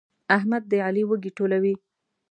احمد د علي وږي ټولوي.